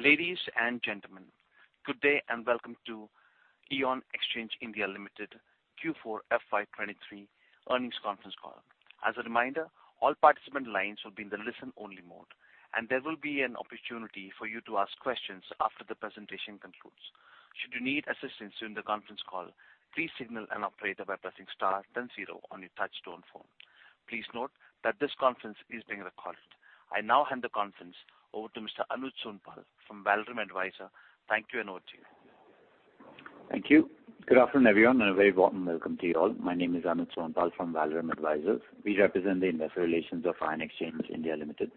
Ladies and gentlemen, good day and welcome to Ion Exchange (India) Limited Q4 FY 2023 earnings conference call. As a reminder, all participant lines will be in the listen-only mode, and there will be an opportunity for you to ask questions after the presentation concludes. Should you need assistance during the conference call, please signal an operator by pressing star then zero on your touch-tone phone. Please note that this conference is being recorded. I now hand the conference over to Mr. Anuj Sonpal from Valorem Advisors. Thank you, and over to you. Thank you. Good afternoon, everyone, and a very warm welcome to you all. My name is Anuj Sonpal from Valorem Advisors. We represent the investor relations of Ion Exchange (India) Limited.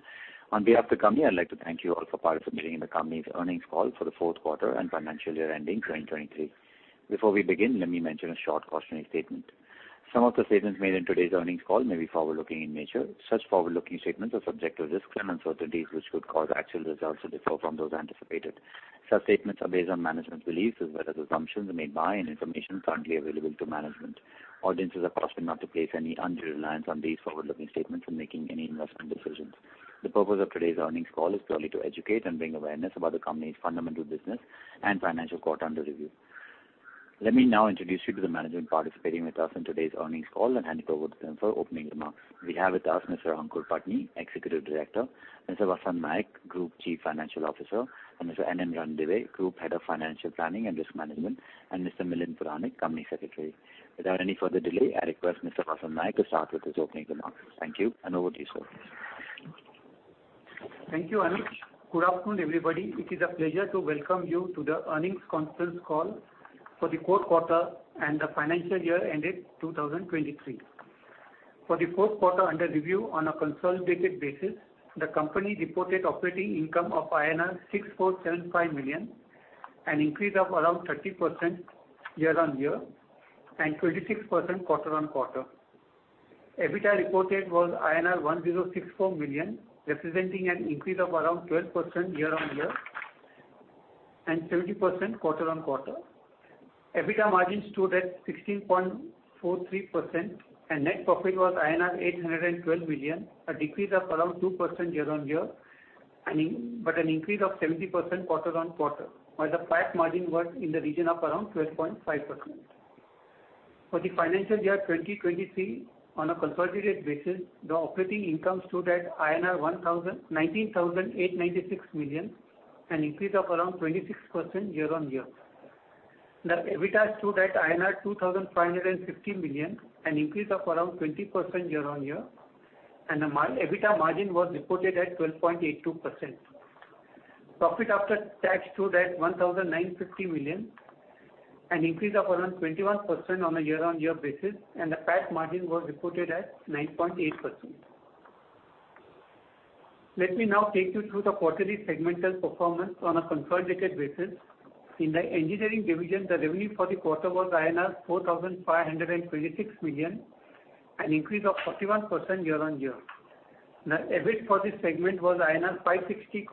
On behalf of the company, I'd like to thank you all for participating in the company's earnings call for the fourth quarter and financial year ending 2023. Before we begin, let me mention a short cautionary statement. Some of the statements made in today's earnings call may be forward-looking in nature. Such forward-looking statements are subject to risks and uncertainties, which could cause actual results to differ from those anticipated. Such statements are based on management's beliefs as well as assumptions made by and information currently available to management. Audiences are cautioned not to place any undue reliance on these forward-looking statements when making any investment decisions. The purpose of today's earnings call is purely to educate and bring awareness about the company's fundamental business and financial quarter under review. Let me now introduce you to the management participating with us in today's earnings call and hand it over to them for opening remarks. We have with us Mr. Aankur Patni, Executive Director, Mr. Vasant Naik, Group Chief Financial Officer, and Mr. N. M. Ranadive, Group Head of Financial Planning and Risk Management, and Mr. Milind Puranik, Company Secretary. Without any further delay, I request Mr. Vasant Naik to start with his opening remarks. Thank you, and over to you, sir. Thank you, Anuj. Good afternoon, everybody. It is a pleasure to welcome you to the earnings conference call for the fourth quarter and the financial year ended 2023. For the fourth quarter under review on a consolidated basis, the company reported operating income of INR 6,475 million, an increase of around 30% year-on-year and 26% quarter-on-quarter. EBITDA reported was INR 1,064 million, representing an increase of around 12% year-on-year and 17% quarter-on-quarter. EBITDA margin stood at 16.43%, and net profit was INR 812 million, a decrease of around 2% year-on-year, but an increase of 17% quarter-on-quarter, while the PAT margin was in the region of around 12.5%. For the financial year 2023, on a consolidated basis, the operating income stood at 19,896 million, an increase of around 26% year-on-year. The EBITDA stood at INR 2,550 million, an increase of around 20% year-on-year, and the EBITDA margin was reported at 12.82%. Profit after tax stood at 1,950 million, an increase of around 21% on a year-on-year basis, and the PAT margin was reported at 9.8%. Let me now take you through the quarterly segmental performance on a consolidated basis. In the engineering division, the revenue for the quarter was INR 4,526 million, an increase of 41% year-on-year. The EBIT for this segment was 560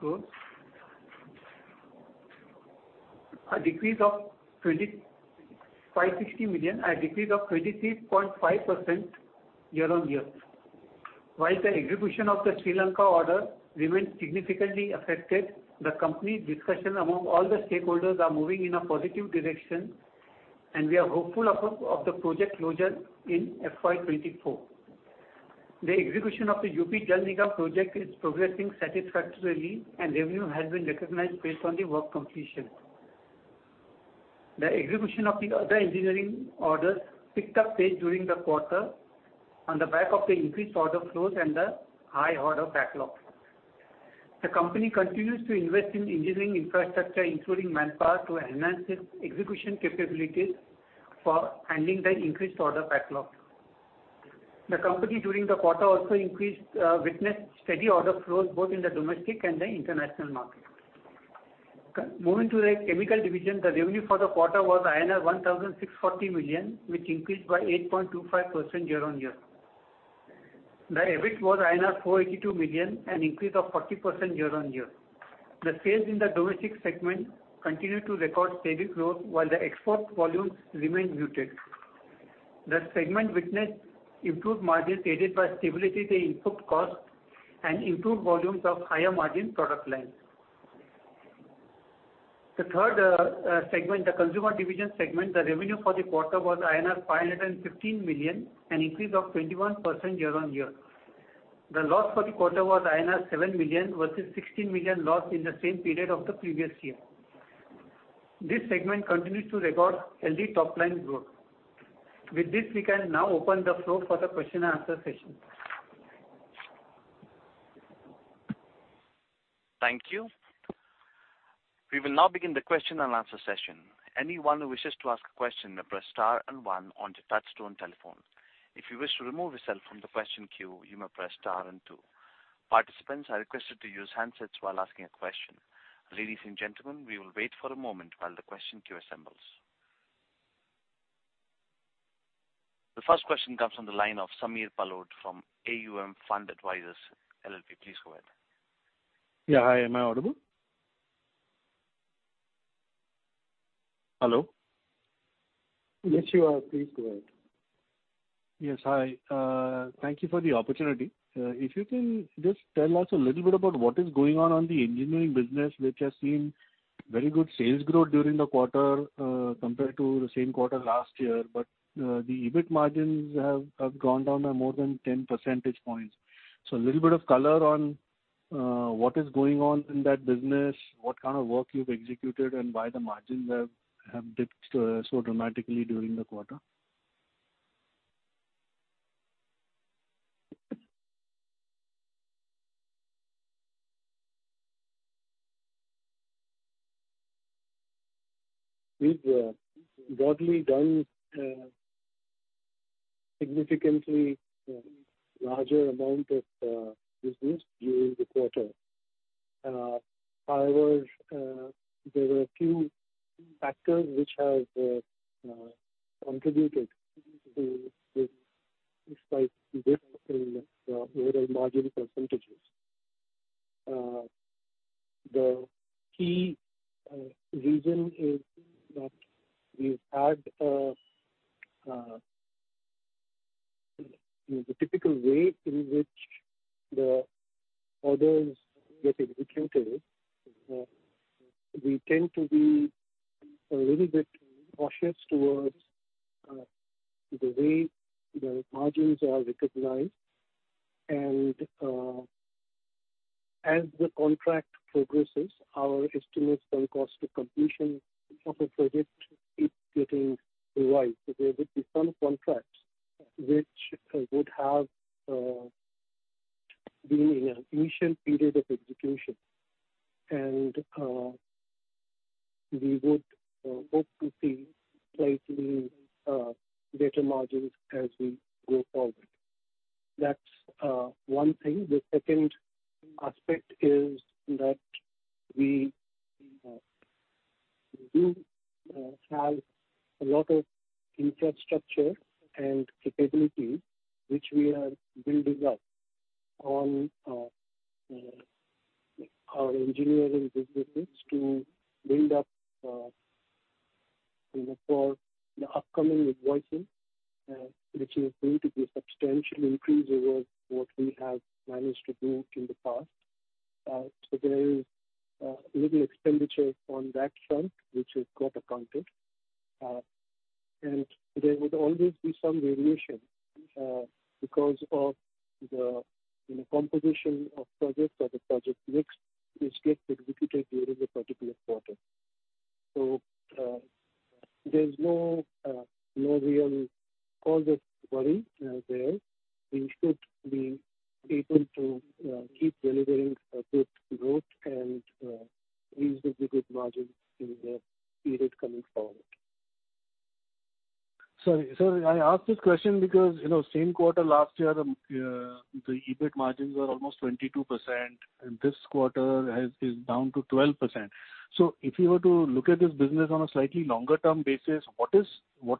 million, a decrease of 23.5% year-on-year. While the execution of the Sri Lanka order remains significantly affected, the company's discussions among all the stakeholders are moving in a positive direction, and we are hopeful of the project closure in FY 2024. The execution of the UP Jal Nigam project is progressing satisfactorily, and revenue has been recognized based on the work completion. The execution of the other engineering orders picked up pace during the quarter on the back of the increased order flows and the high order backlog. The company continues to invest in engineering infrastructure, including manpower, to enhance its execution capabilities for handling the increased order backlog. The company, during the quarter, also witnessed steady order flows both in the domestic and the international market. Moving to the chemical division, the revenue for the quarter was INR 1,640 million, which increased by 8.25% year-on-year. The EBIT was INR 482 million, an increase of 40% year-on-year. The sales in the domestic segment continued to record steady growth while the export volumes remained muted. The segment witnessed improved margins aided by stability in the input cost and improved volumes of higher margin product lines. The third segment, the consumer division segment, the revenue for the quarter was INR 515 million, an increase of 21% year-on-year. The loss for the quarter was INR 7 million versus 16 million loss in the same period of the previous year. This segment continues to record healthy top-line growth. With this, we can now open the floor for the question and answer session. Thank you. We will now begin the question and answer session. Anyone who wishes to ask a question may press star and one on your touch-tone telephone. If you wish to remove yourself from the question queue, you may press star and two. Participants are requested to use handsets while asking a question. Ladies and gentlemen, we will wait for a moment while the question queue assembles. The first question comes from the line of Samir Palod from AUM Fund Advisors LLP. Please go ahead. Yeah. Hi, am I audible? Hello. Yes, you are. Please go ahead. Yes. Hi. Thank you for the opportunity. If you can just tell us a little bit about what is going on in the engineering business, which has seen very good sales growth during the quarter compared to the same quarter last year. The EBIT margins have gone down by more than 10 percentage points. A little bit of color on what is going on in that business, what kind of work you've executed, and why the margins have dipped so dramatically during the quarter. We've broadly done a significantly larger amount of business during the quarter. However, there were a few factors which have contributed to this slight dip in the overall margin percentages. The key reason is that we've had the typical way in which the orders get executed. We tend to be a little bit cautious towards the way the margins are recognized. As the contract progresses, our estimates on cost to completion of a project keep getting revised. There would be some contracts which would have been in an initial period of execution, and we would hope to see slightly better margins as we go forward. That's one thing. The second aspect is that we do have a lot of infrastructure and capability which we are building up on our engineering businesses to build up for the upcoming invoicing, which is going to be substantially increased over what we have managed to do in the past. There is a little expenditure on that front, which has got accounted. There would always be some variation because of the composition of projects or the project mix which gets executed during a particular quarter. There is no real cause of worry there. We should be able to keep delivering a good growth and reasonably good margins in the period coming forward. Sorry. Sir, I ask this question because same quarter last year, the EBIT margins were almost 22%, and this quarter it is down to 12%. If you were to look at this business on a slightly longer-term basis, what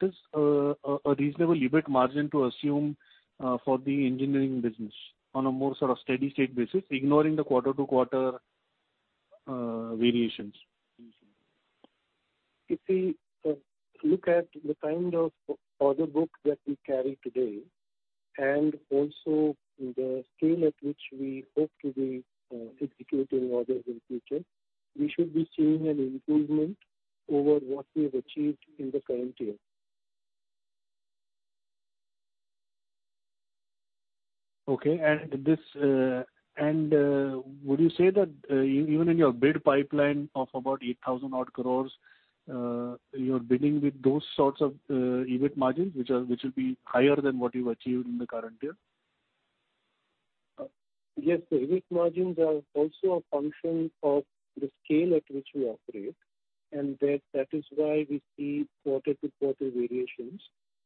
is a reasonable EBIT margin to assume for the engineering business on a more steady-state basis, ignoring the quarter-to-quarter variations? If we look at the kind of order book that we carry today, and also the scale at which we hope to be executing orders in future, we should be seeing an improvement over what we have achieved in the current year. Okay. Would you say that even in your bid pipeline of about 8,000 odd crores, you are bidding with those sorts of EBIT margins, which will be higher than what you have achieved in the current year? Yes. The EBIT margins are also a function of the scale at which we operate, that is why we see quarter-to-quarter variations.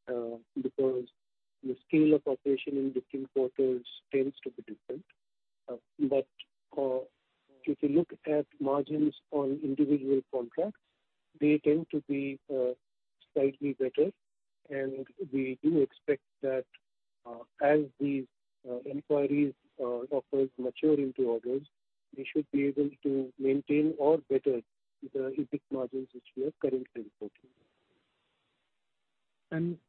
The scale of operation in different quarters tends to be different. If you look at margins on individual contracts, they tend to be slightly better. We do expect that as these inquiries offers mature into orders, we should be able to maintain or better the EBIT margins which we are currently reporting.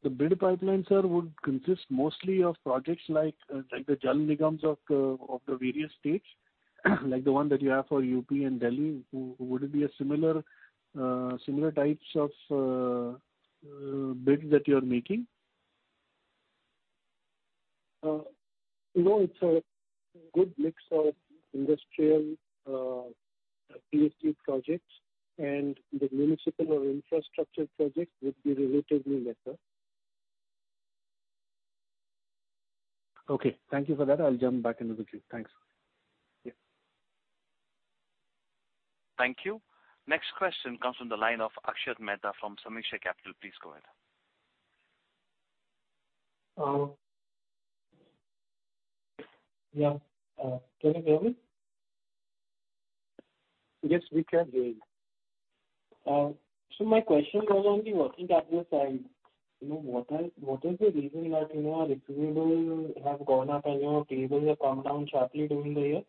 The bid pipeline, sir, would consist mostly of projects like the Jal Nigams of the various states, like the one that you have for UP and Delhi. Would it be similar types of bids that you're making? No, it's a good mix of industrial EPC projects, the municipal or infrastructure projects would be relatively lesser. Okay. Thank you for that. I'll jump back into the queue. Thanks. Yeah. Thank you. Next question comes from the line of Akshat Mehta from Samiksha Capital. Please go ahead. Yeah. Can you hear me? Yes, we can hear you. My question was on the working capital side. What is the reason that your receivables have gone up and your payables have come down sharply during the year?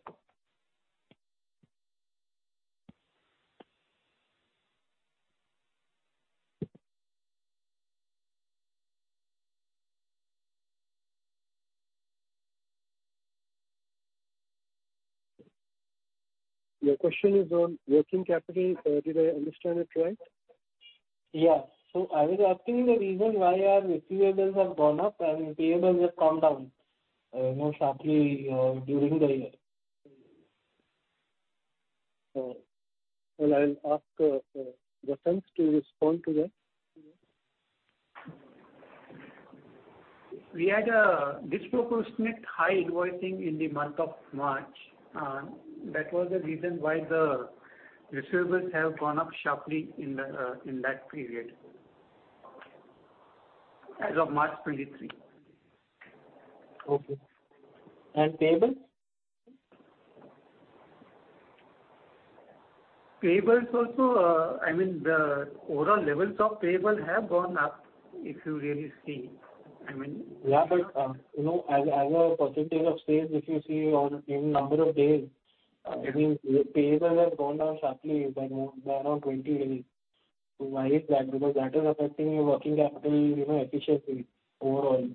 Your question is on working capital, did I understand it right? Yes. I was asking the reason why our receivables have gone up and payables have come down more sharply during the year. Well, I'll ask Vasant to respond to that. We had a disproportionate high invoicing in the month of March. That was the reason why the receivables have gone up sharply in that period. As of March 2023. Okay. Payables? Payables also, the overall levels of payable have gone up if you really see. Yeah, as a percentage of sales, if you see in number of days, payables have gone down sharply by around 20 days. Why is that? That is affecting your working capital efficiency overall.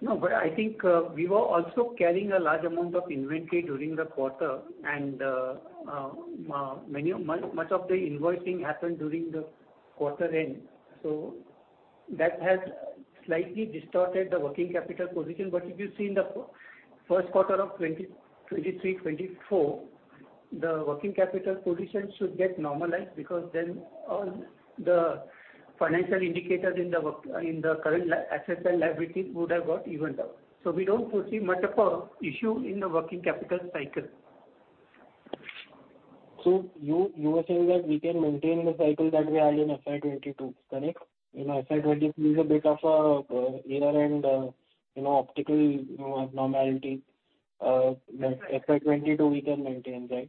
No, I think we were also carrying a large amount of inventory during the quarter and much of the invoicing happened during the quarter end. That has slightly distorted the working capital position. If you see in the first quarter of FY 2023-2024, the working capital position should get normalized then all the financial indicators in the current assets and liabilities would have got evened out. We don't foresee much of a issue in the working capital cycle. You are saying that we can maintain the cycle that we had in FY 2022, correct? FY 2023 is a bit of an error and optical abnormality. FY 2022 we can maintain, right?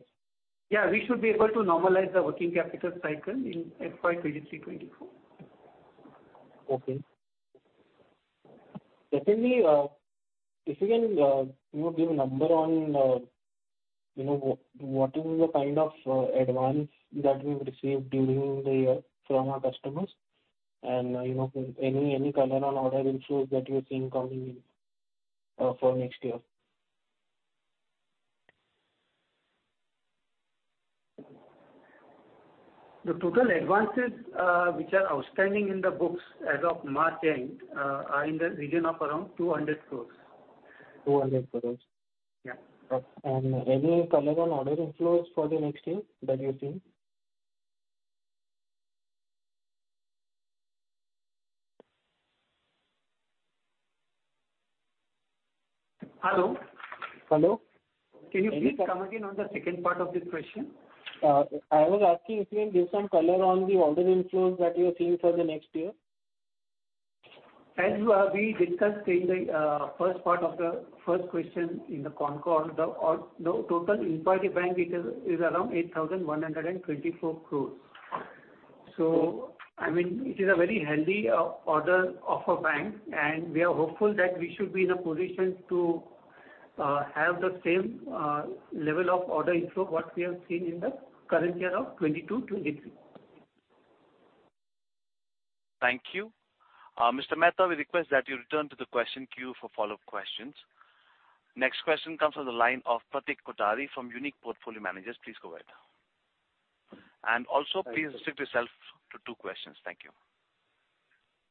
Yeah, we should be able to normalize the working capital cycle in FY 2023, 2024. Okay. Secondly, if you can give a number on what is the kind of advance that we've received during the year from our customers and any color on order inflows that you are seeing coming in for next year. The total advances which are outstanding in the books as of March end, are in the region of around 200 crore. 200 crore. Yeah. Any color on order inflows for the next year that you're seeing? Hello. Hello. Can you please come again on the second part of this question? I was asking if you can give some color on the order inflows that you are seeing for the next year. As we discussed in the first part of the first question in the concall, the total in-party order book is around 8,124 crore. It is a very healthy order book, and we are hopeful that we should be in a position to have the same level of order inflow, what we have seen in the current year of 2022, 2023. Thank you. Mr. Mehta, we request that you return to the question queue for follow-up questions. Next question comes from the line of Pratik Kothari from Unique Portfolio Managers. Please go ahead. Also please restrict yourself to two questions. Thank you.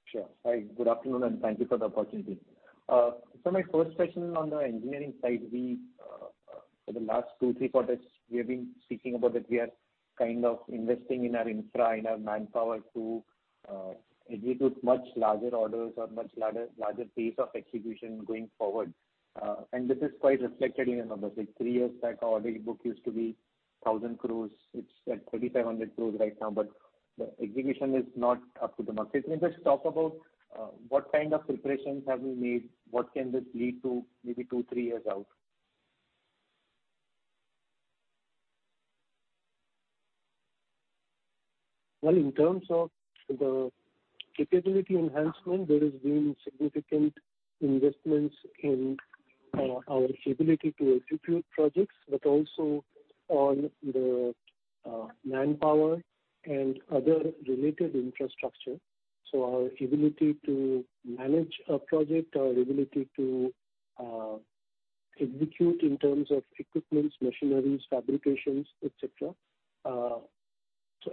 Sure. Hi, good afternoon, and thank you for the opportunity. My first question on the engineering side, for the last two, three quarters, we have been speaking about that we are kind of investing in our infra, in our manpower to execute much larger orders or much larger pace of execution going forward. This is quite reflected in the numbers. Like three years back, our order book used to be 1,000 crore. It's at 3,500 crore right now, but the execution is not up to the mark. Can you just talk about what kind of preparations have you made? What can this lead to maybe two, three years out? Well, in terms of the capability enhancement, there has been significant investments in our ability to execute projects, but also on the manpower and other related infrastructure. Our ability to manage a project, our ability to execute in terms of equipments, machineries, fabrications, et cetera.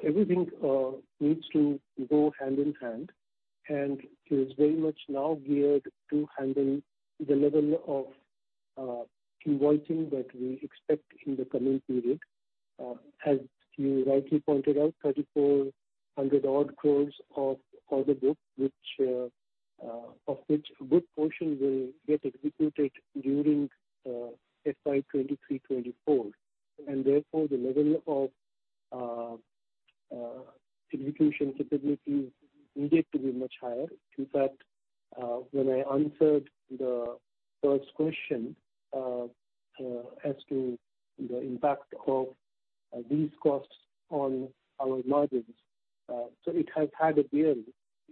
Everything needs to go hand in hand and it is very much now geared to handle the level of invoicing that we expect in the coming period. As you rightly pointed out, 3,400 odd crore of order book, of which a good portion will get executed during FY 2023, 2024, and therefore the level of execution capability needed to be much higher. In fact, when I answered the first question as to the impact of these costs on our margins. It has had a bearing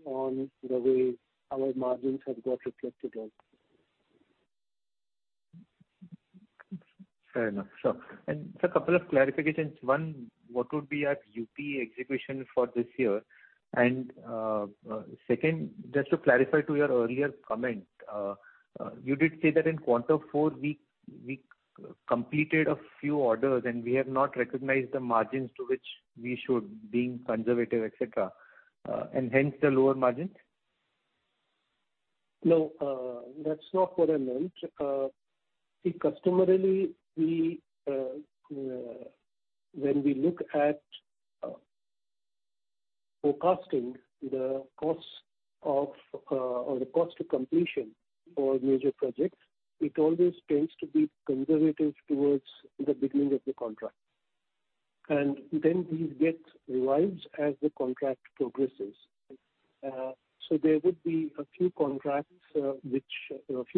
on the way our margins have got reflected out. Fair enough, sir. Sir, couple of clarifications. One, what would be our UPE execution for this year? Second, just to clarify to your earlier comment, you did say that in quarter four, we completed a few orders and we have not recognized the margins to which we should, being conservative, et cetera, and hence the lower margins? No. That's not what I meant. Customarily when we look at forecasting the cost to completion for major projects, it always tends to be conservative towards the beginning of the contract. Then these get revised as the contract progresses. There would be a few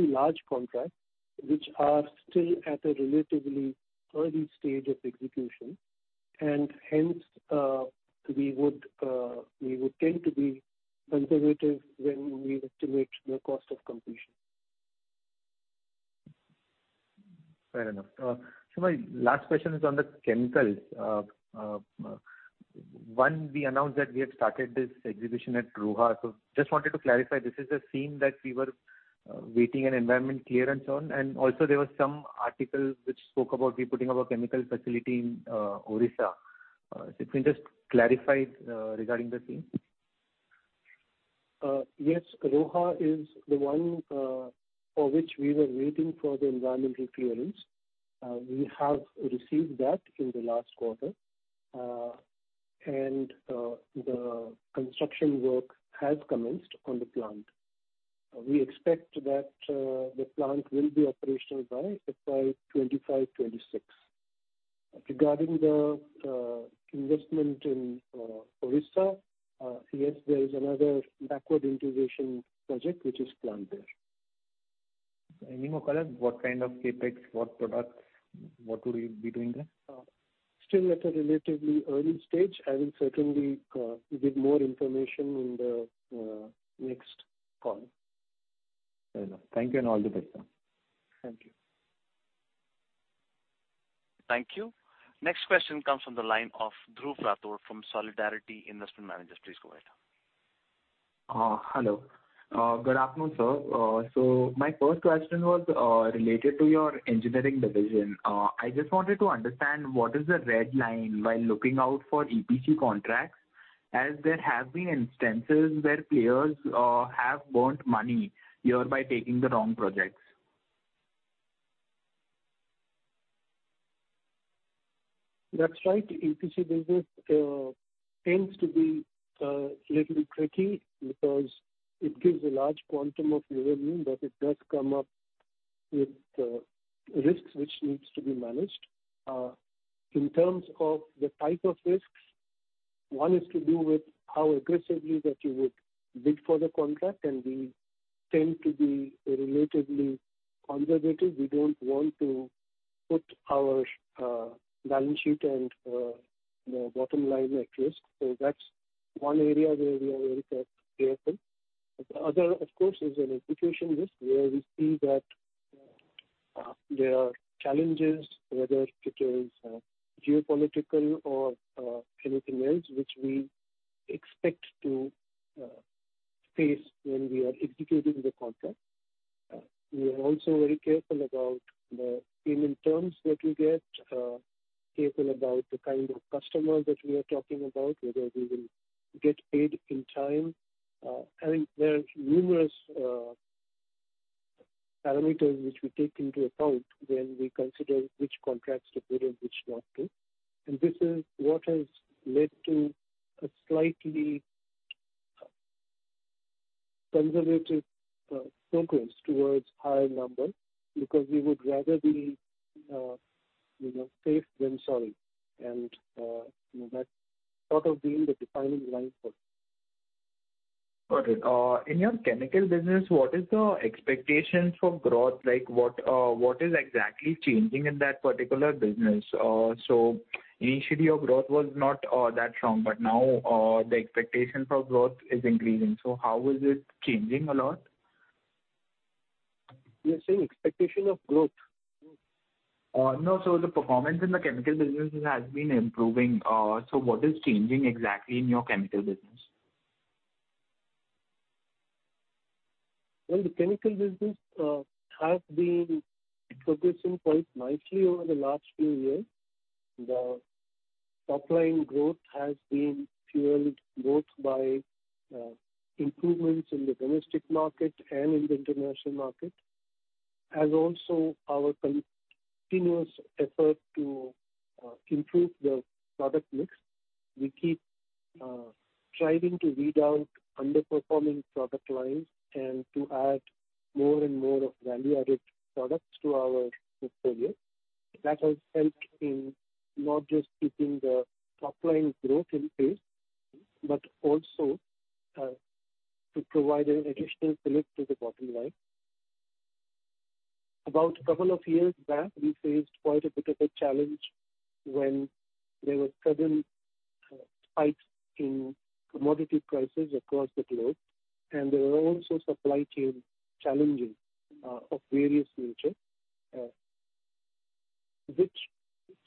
large contracts which are still at a relatively early stage of execution, and hence, we would tend to be conservative when we estimate the cost of completion. Fair enough. Sir, my last question is on the chemicals. One, we announced that we had started this execution at Roha. Just wanted to clarify, this is a theme that we were waiting an Environmental Clearance on, and also there was some article which spoke about we putting up a chemical facility in Odisha. If we just clarify regarding the same. Yes. Roha is the one for which we were waiting for the Environmental Clearance. We have received that in the last quarter. The construction work has commenced on the plant. We expect that the plant will be operational by FY 2025, 2026. Regarding the investment in Odisha, yes, there is another backward integration project which is planned there. Any more color? What kind of CapEx? What products? What would we be doing there? Still at a relatively early stage. I will certainly give more information in the next call. Fair enough. Thank you and all the best. Thank you. Thank you. Next question comes from the line of Dhruv Rathore from Solidarity Investment Managers. Please go ahead. Hello. Good afternoon, sir. My first question was related to your engineering division. I just wanted to understand what is the red line while looking out for EPC contracts, as there have been instances where players have burnt money hereby taking the wrong projects. That's right. EPC business tends to be a little tricky because it gives a large quantum of revenue, but it does come up with risks which needs to be managed. In terms of the type of risks, one is to do with how aggressively that you would bid for the contract, and we tend to be relatively conservative. We don't want to put our balance sheet and the bottom line at risk. That's one area where we are very careful. The other, of course, is an execution risk, where we see that there are challenges, whether it is geopolitical or anything else, which we expect to face when we are executing the contract. We are also very careful about the payment terms that we get, careful about the kind of customer that we are talking about, whether we will get paid in time. I mean, there are numerous parameters which we take into account when we consider which contracts to bid and which not to. This is what has led to a slightly conservative progress towards higher number, because we would rather be safe than sorry, and that's sort of been the defining line for us. Got it. In your chemical business, what is the expectation for growth? What is exactly changing in that particular business? Initially, your growth was not that strong, but now the expectation for growth is increasing. How is it changing a lot? You're saying expectation of growth? No. The performance in the chemical business has been improving. What is changing exactly in your chemical business? Well, the chemical business has been progressing quite nicely over the last few years. The top line growth has been fueled both by improvements in the domestic market and in the international market, as also our continuous effort to improve the product mix. We keep striving to weed out underperforming product lines and to add more and more of value-added products to our portfolio. That has helped in not just keeping the top line growth in pace, but also to provide an additional fillip to the bottom line. About a couple of years back, we faced quite a bit of a challenge when there were sudden spikes in commodity prices across the globe, and there were also supply chain challenges of various nature, which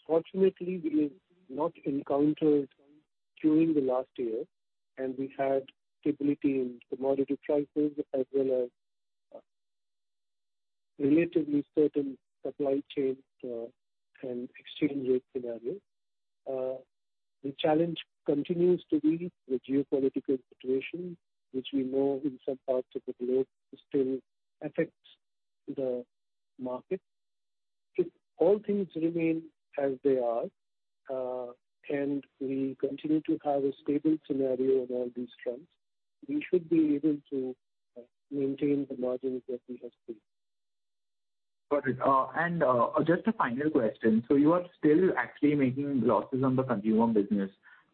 fortunately we have not encountered during the last year. We had stability in commodity prices as well as relatively certain supply chain and exchange rate scenario. The challenge continues to be the geopolitical situation, which we know in some parts of the globe still affects the market. If all things remain as they are, we continue to have a stable scenario on all these fronts, we should be able to maintain the margins that we have seen. Got it. Just a final question. You are still actually making losses on the consumer business.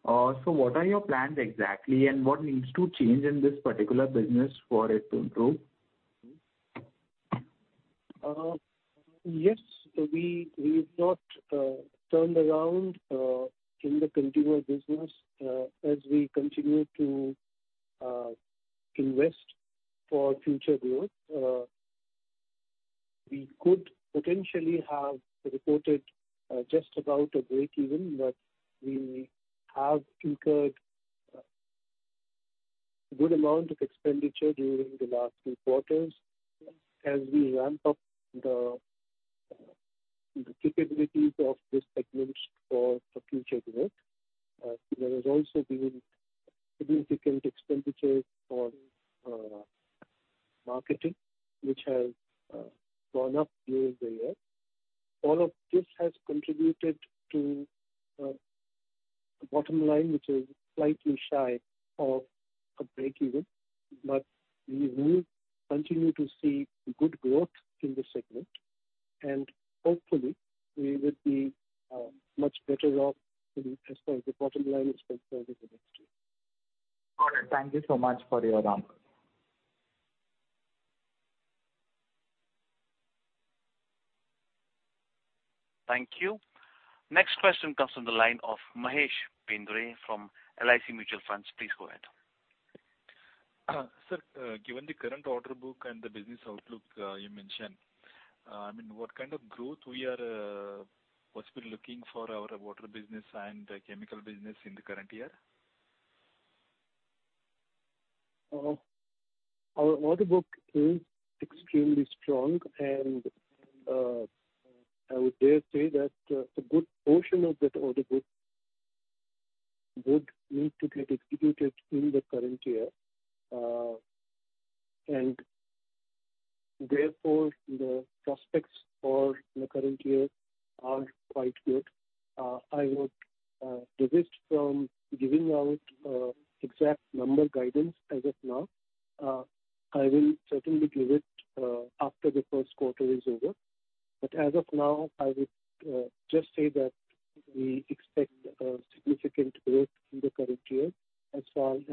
What are your plans exactly, and what needs to change in this particular business for it to improve? Yes, we've not turned around in the consumer business, as we continue to invest for future growth. We could potentially have reported just about a breakeven, but we have incurred a good amount of expenditure during the last few quarters as we ramp up the capabilities of this segment for future growth. There has also been significant expenditure on marketing, which has gone up during the year. All of this has contributed to the bottom line, which is slightly shy of a breakeven. We will continue to see good growth in this segment, and hopefully we will be much better off as far as the bottom line is concerned in the next year. Got it. Thank you so much for your answer. Thank you. Next question comes from the line of Mahesh Bendre from LIC Mutual Fund. Please go ahead. Sir, given the current order book and the business outlook you mentioned, what kind of growth we are possibly looking for our water business and chemical business in the current year? Our order book is extremely strong and I would dare say that a good portion of that order book would need to get executed in the current year. Therefore, the prospects for the current year are quite good. I would desist from giving out exact number guidance as of now. I will certainly give it after the first quarter is over. As of now, I would just say that we expect a significant growth in the current year as far as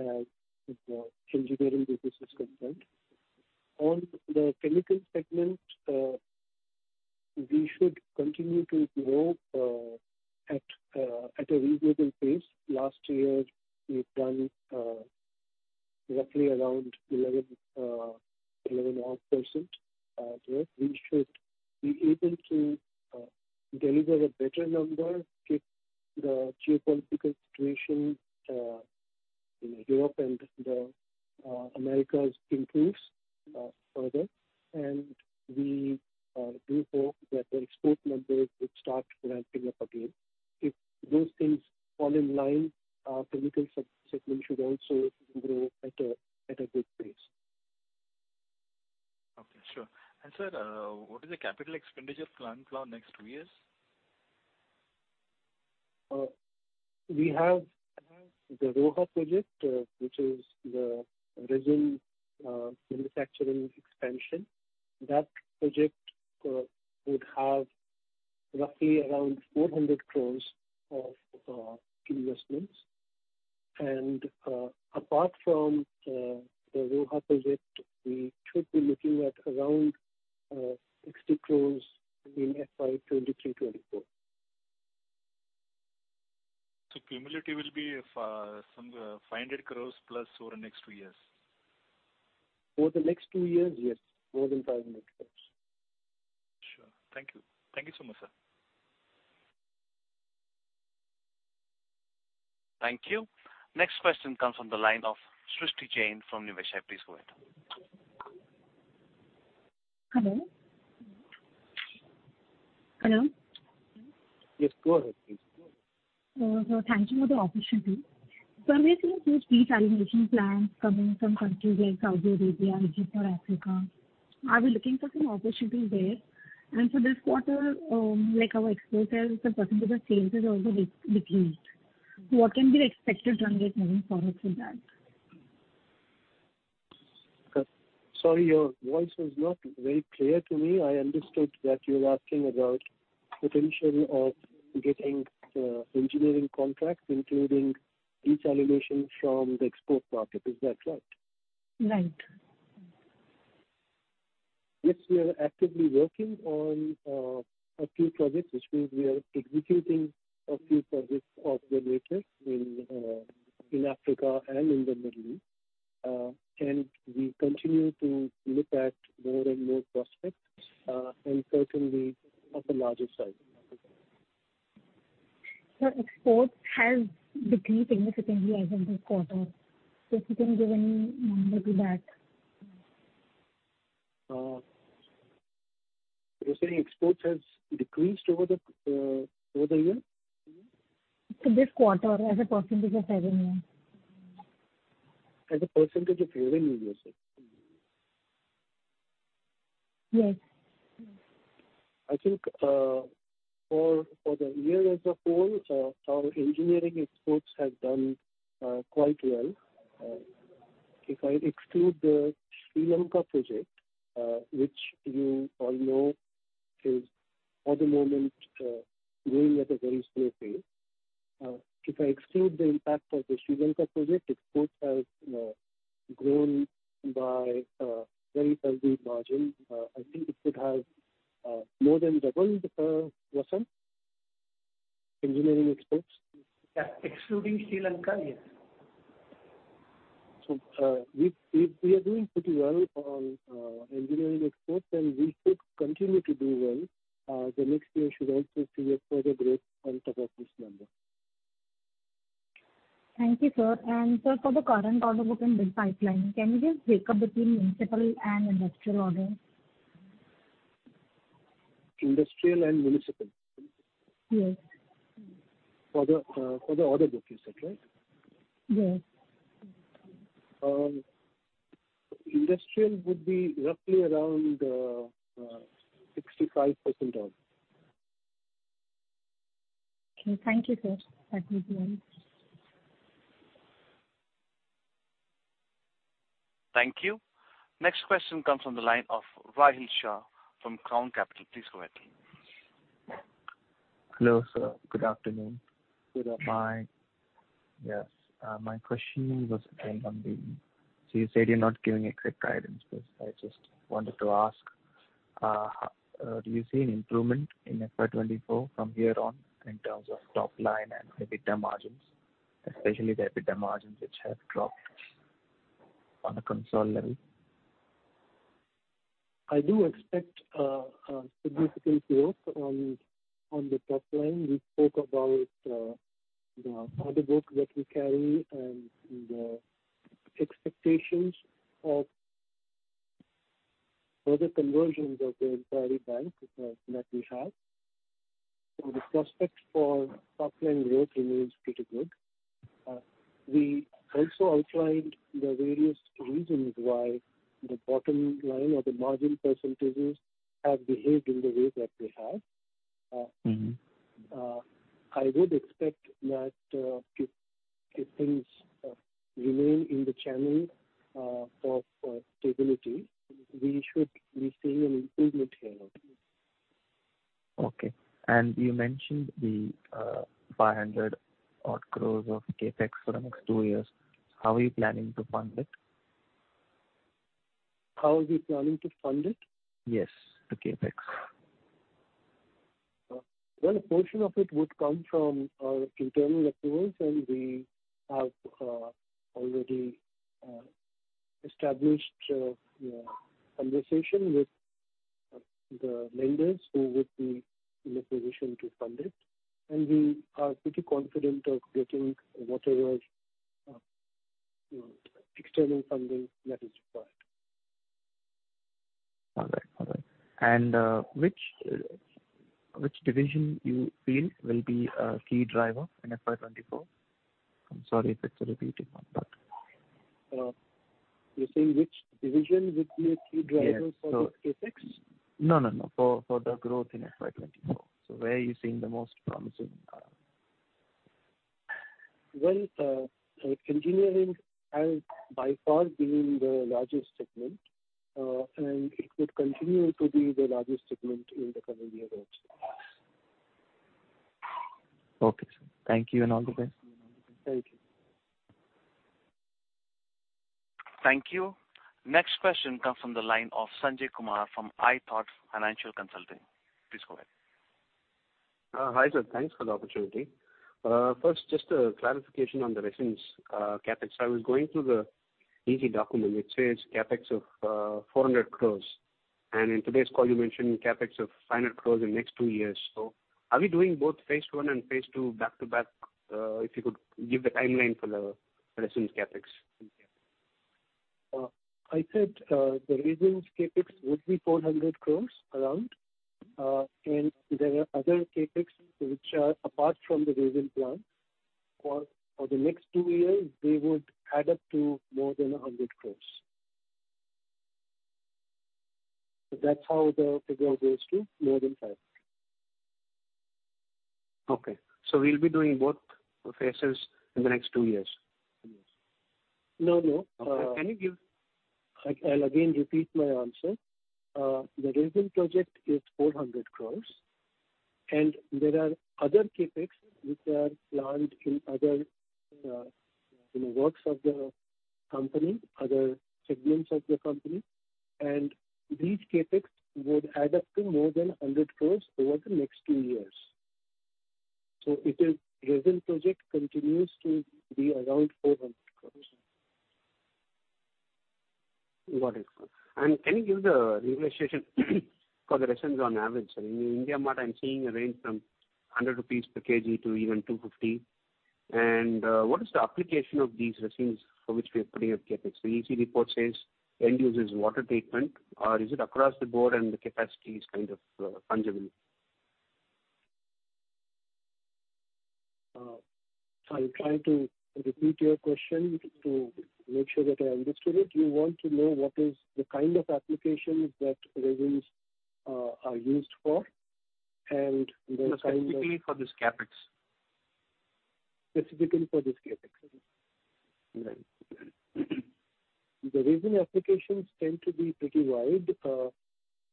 the engineering business is concerned. On the chemical segment, we should continue to grow at a reasonable pace. Last year we've done roughly around 11.5% growth. We should be able to deliver a better number if the geopolitical situation in Europe and the Americas improves further, and we do hope that the export numbers would start ramping up again. If those things fall in line, our chemical segment should also grow at a good pace. Okay, sure. Sir, what is the capital expenditure plan for next two years? We have the Roha project, which is the resin manufacturing expansion. That project would have roughly around 400 crores of investments. Apart from the Roha project, we should be looking at around 60 crores in FY 2023, FY 2024. Cumulative will be some 500 crores plus over the next two years. Over the next two years, yes. More than 500 crores. Sure. Thank you. Thank you so much, sir. Thank you. Next question comes from the line of Shristi Jain from Nivesha. Please go ahead. Hello? Yes, go ahead please. Sir, thank you for the opportunity. Sir, we have seen few desalination plants coming from countries like Saudi Arabia, Egypt, or Africa. Are we looking for some opportunity there? For this quarter, like our export sales, the % of sales has also decreased. What can be expected during the coming quarter for that? Sorry, your voice was not very clear to me. I understood that you're asking about potential of getting engineering contracts, including desalination from the export market. Is that right? Right. Yes, we are actively working on a few projects, which means we are executing a few projects of the majors in Africa and in the Middle East. We continue to look at more and more prospects, and certainly of a larger size in Africa. Sir, exports have decreased significantly as of this quarter. If you can give any number to that. You're saying exports has decreased over the year? This quarter as a % of revenue. As a % of revenue, you said? Yes. I think for the year as a whole, our engineering exports have done quite well. If I exclude the Sri Lanka project, which you all know is at the moment growing at a very slow pace. If I exclude the impact of the Sri Lanka project, exports have grown by a very healthy margin. I think it would have more than doubled, Vasant, engineering exports. Yeah. Excluding Sri Lanka, yes. We are doing pretty well on engineering exports, and we should continue to do well. The next year should also see a further growth on top of this number. Thank you, sir. Sir, for the current order book and bid pipeline, can you give a breakup between municipal and industrial orders? Industrial and municipal? Yes. For the order book, is that right? Yes. Industrial would be roughly around 65% of. Okay. Thank you, sir. That was all. Thank you. Next question comes from the line of Rahil Shah from Crown Capital. Please go ahead. Hello, sir. Good afternoon. Good afternoon. Yes. My question was again on the. You said you're not giving a clear guidance. I just wanted to ask, do you see an improvement in FY24 from here on in terms of top-line and EBITDA margins, especially the EBITDA margins which have dropped on a consolidated level? I do expect a significant growth on the top-line. We spoke about the order book that we carry and the expectations of further conversions of the entire bank that we have. The prospect for top-line growth remains pretty good. We also outlined the various reasons why the bottom line or the margin percentages have behaved in the way that they have. I would expect that if things remain in the channel for stability, we should be seeing an improvement here onwards. Okay. You mentioned the 500 odd crores of CapEx for the next two years. How are you planning to fund it? How are we planning to fund it? Yes. The CapEx. Well, a portion of it would come from our internal accruals, we have already established a conversation with the lenders who would be in a position to fund it. We are pretty confident of getting whatever external funding that is required. All right. Which division you feel will be a key driver in FY 2024? I'm sorry if it's a repeating one. You're saying which division would be a key driver- Yes for the CapEx? No. For the growth in FY 2024. Where are you seeing the most promising area? Well, engineering has by far been the largest segment, and it would continue to be the largest segment in the coming year also. Okay, sir. Thank you, and all the best. Thank you. Thank you. Next question comes from the line of Sanjay Kumar from iThought Financial Consulting. Please go ahead. Hi, sir. Thanks for the opportunity. First, just a clarification on the resins CapEx. I was going through the EC document, which says CapEx of 400 crore. In today's call, you mentioned CapEx of 500 crore in next two years. Are we doing both phase 1 and phase 2 back to back? If you could give the timeline for the resins CapEx. I said the resins CapEx would be 400 crore around. There are other CapEx which are apart from the resin plant. For the next two years, they would add up to more than 100 crore. That's how the figure goes to more than 500. Okay. We'll be doing both phases in the next two years. No. Okay. Can you give? I'll again repeat my answer. The resin project is 400 crore. There are other CapEx which are planned in other works of the company, other segments of the company, and these CapEx would add up to more than 100 crore over the next 2 years. Resin project continues to be around 400 crore. Got it. Can you give the realization for the resins on average? In IndiaMART, I'm seeing a range from 100 rupees per kg to even 250. What is the application of these resins for which we are putting up CapEx? The EC report says end use is water treatment. Is it across the board and the capacity is kind of fungible? I'll try to repeat your question to make sure that I understood it. You want to know what is the kind of applications that resins are used for, and the kind of. Specifically for this CapEx. Specifically for this CapEx. Right. The resin applications tend to be pretty wide.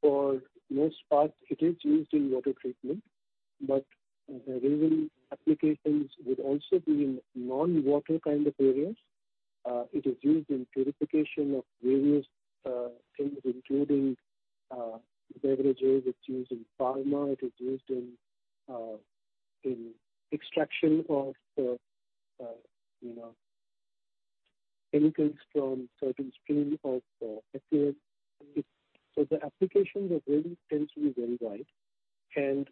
For most part, it is used in water treatment, but resin applications would also be in non-water kind of areas. It is used in purification of various things, including beverages. It is used in pharma. It is used in extraction of chemicals from certain stream of fluids. The applications of resin tends to be very wide, and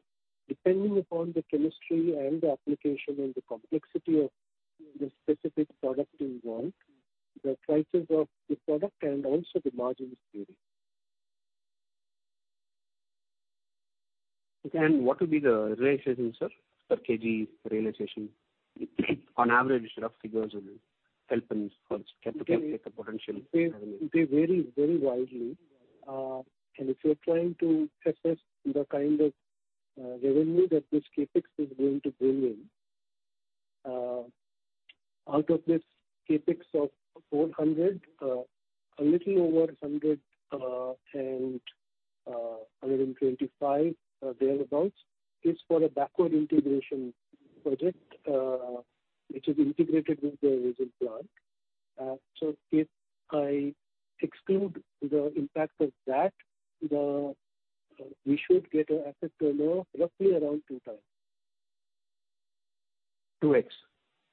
depending upon the chemistry and the application and the complexity of the specific product involved, the prices of the product and also the margins vary. Okay. What will be the realization, sir? Per kg realization on average, rough figures will help us calculate the potential. It varies very widely. If you're trying to assess the kind of revenue that this CapEx is going to bring in, out of this CapEx of 400, a little over 100 and 125, thereabout, is for a backward integration project which is integrated with the resin plant. If I exclude the impact of that, we should get an asset turnover roughly around two times. 2X?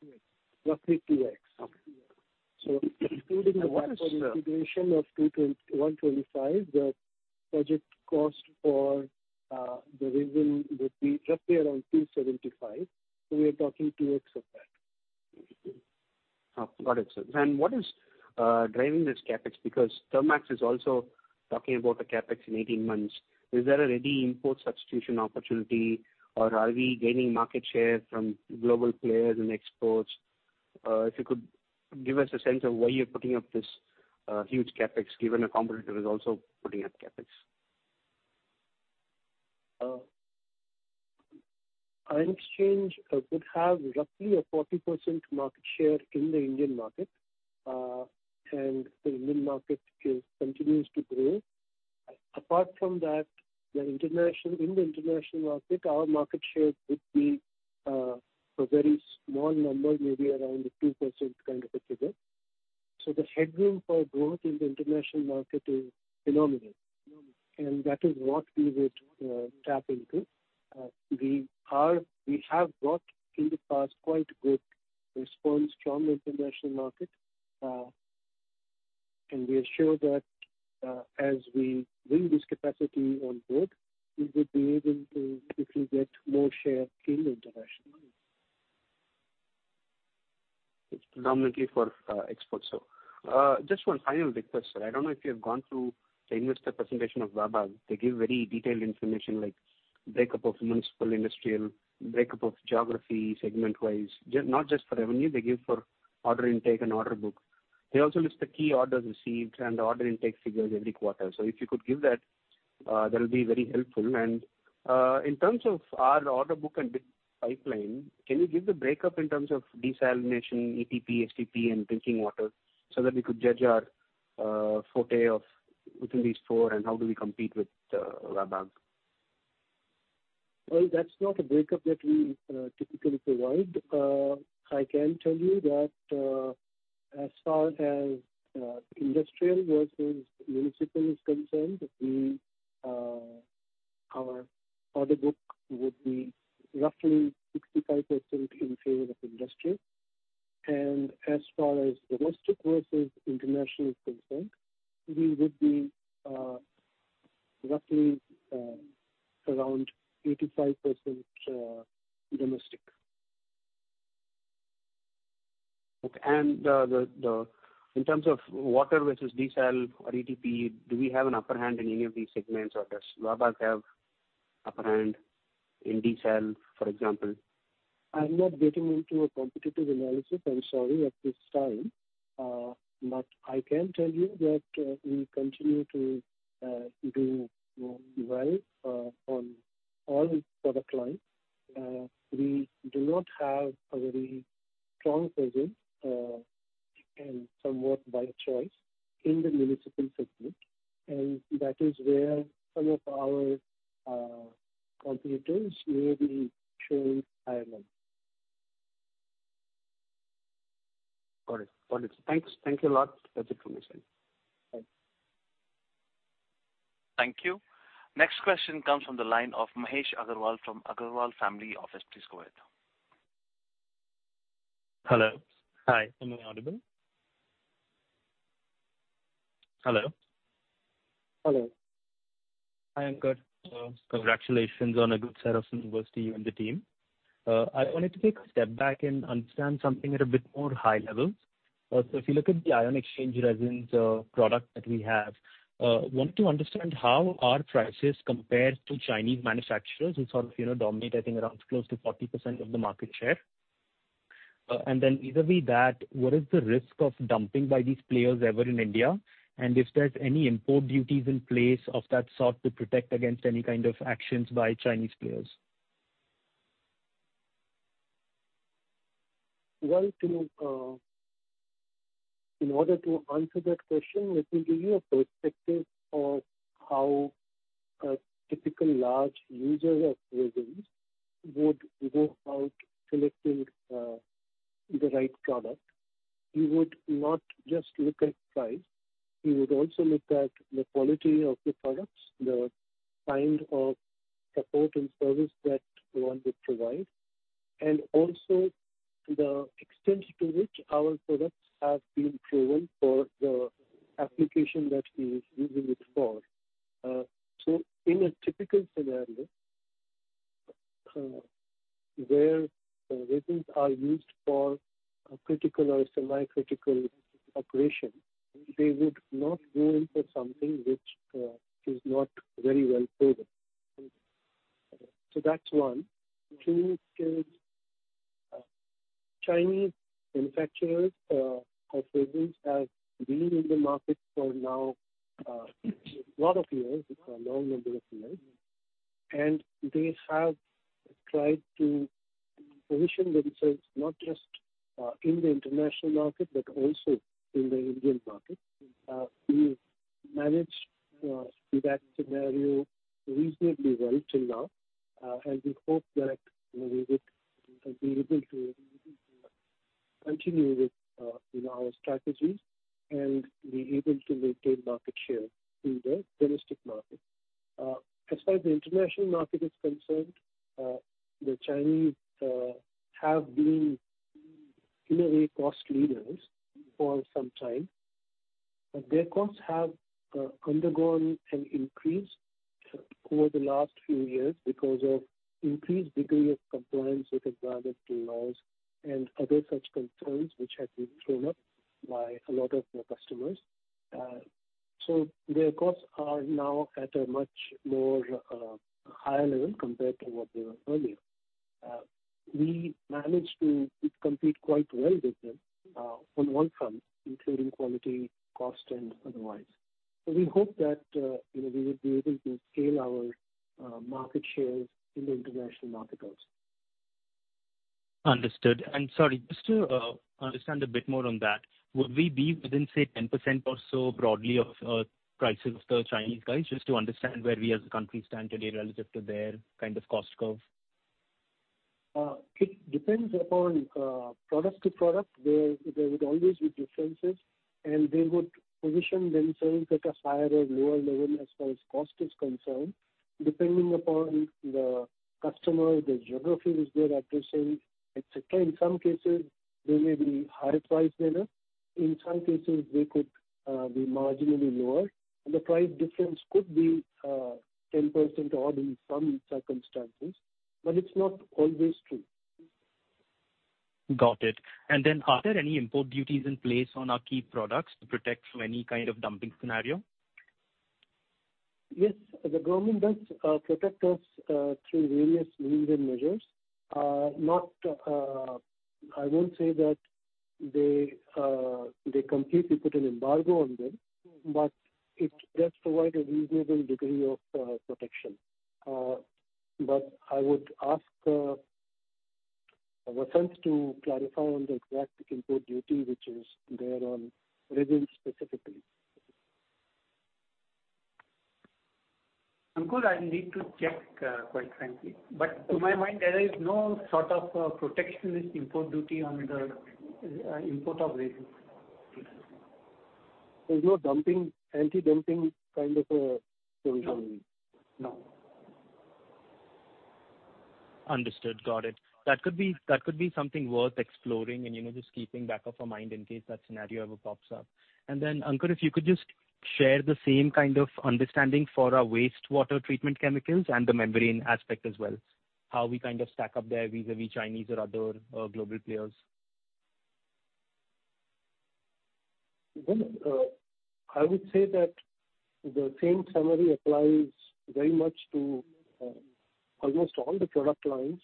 2x. Roughly 2x. Okay. Excluding the backward. What is the. integration of 125, the project cost for the resin would be roughly around 275. We are talking 2x of that. Got it, sir. What is driving this CapEx? Because Thermax is also talking about a CapEx in 18 months. Is there a ready import substitution opportunity, or are we gaining market share from global players and exports? If you could give us a sense of why you're putting up this huge CapEx, given a competitor is also putting up CapEx. Ion Exchange would have roughly a 40% market share in the Indian market. The Indian market continues to grow. Apart from that, in the international market, our market share would be a very small number, maybe around 2% kind of a figure. The headroom for growth in the international market is phenomenal. That is what we would tap into. We have got in the past quite good response from the international market. We are sure that as we bring this capacity on board, we would be able to quickly get more share in the international market. It's predominantly for export sale. Just one final request, sir. I don't know if you have gone through the investor presentation of VA Tech Wabag. They give very detailed information, like breakup of municipal, industrial, breakup of geography segment-wise. Not just for revenue, they give for order intake and order book. They also list the key orders received and the order intake figures every quarter. If you could give that'll be very helpful. In terms of our order book and bid pipeline, can you give the breakup in terms of desalination, ETP, STP and drinking water so that we could judge our forte within these four and how do we compete with VA Tech Wabag. Well, that's not a breakup that we typically provide. I can tell you that as far as industrial versus municipal is concerned, our order book would be roughly 65% in favor of industrial. As far as domestic versus international is concerned, we would be roughly around 85% domestic. Okay. In terms of water versus desal or ETP, do we have an upper hand in any of these segments or does VA Tech Wabag have upper hand in desal, for example? I'm not getting into a competitive analysis, I'm sorry, at this time. I can tell you that we continue to do well on all product lines. We do not have a very strong presence And somewhat by choice in the municipal segment, and that is where some of our competitors may be showing higher levels. Got it. Thanks. Thank you a lot. That's it from my side. Bye. Thank you. Next question comes from the line of Mahesh Agarwal from Agarwal Family Office. Please go ahead. Hello. Hi, am I audible? Hello. Hello. Hi, Aankur. Congratulations on a good set of numbers to you and the team. I wanted to take a step back and understand something at a bit more high level. If you look at the ion exchange resins product that we have, want to understand how our prices compare to Chinese manufacturers who sort of dominate, I think, around close to 40% of the market share. Then vis-à-vis that, what is the risk of dumping by these players ever in India? If there's any import duties in place of that sort to protect against any kind of actions by Chinese players. In order to answer that question, let me give you a perspective of how a typical large user of resins would go about selecting the right product. He would not just look at price. He would also look at the quality of the products, the kind of support and service that one would provide, and also the extent to which our products have been proven for the application that he is using it for. In a typical scenario where resins are used for a critical or semi-critical operation, they would not go in for something which is not very well proven. That's one. Two is, Chinese manufacturers of resins have been in the market for now a lot of years, a long number of years, they have tried to position themselves not just in the international market but also in the Indian market. We've managed through that scenario reasonably well till now. We hope that we will be able to continue with our strategies and be able to maintain market share in the domestic market. As far as the international market is concerned, the Chinese have been, in a way, cost leaders for some time. Their costs have undergone an increase over the last few years because of increased degree of compliance with environmental laws and other such concerns which have been thrown up by a lot of customers. Their costs are now at a much more higher level compared to what they were earlier. We managed to compete quite well with them on one front, including quality, cost, and otherwise. We hope that we would be able to scale our market shares in the international market also. Understood. Sorry, just to understand a bit more on that, would we be within, say, 10% or so broadly of prices of the Chinese guys? Just to understand where we as a country stand today relative to their kind of cost curve. It depends upon product to product. There would always be differences. They would position themselves at a higher or lower level as far as cost is concerned, depending upon the customer, the geographies they're addressing, et cetera. In some cases, they may be higher price than us. In some cases, they could be marginally lower. The price difference could be 10% or more in some circumstances, but it's not always true. Got it. Are there any import duties in place on our key products to protect from any kind of dumping scenario? Yes, the government does protect us through various means and measures. I won't say that they completely put an embargo on them, but it does provide a reasonable degree of protection. I would ask Vasant to clarify on the exact import duty which is there on resins specifically. Aankur, I'll need to check, quite frankly. To my mind, there is no sort of protectionist import duty on the import of resins. There's no anti-dumping kind of a provision? No. Understood. Got it. That could be something worth exploring and just keeping back of our mind in case that scenario ever pops up. Aankur, if you could just share the same kind of understanding for our wastewater treatment chemicals and the membrane aspect as well. How we kind of stack up there vis-à-vis Chinese or other global players. I would say that the same summary applies very much to almost all the product lines,